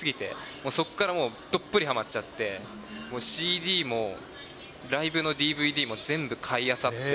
もうそこからもうどっぷりはまっちゃって、ＣＤもライブのＤＶＤも全部買いあさって。